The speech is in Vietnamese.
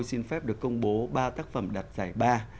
xin phép được công bố ba tác phẩm đặt giải ba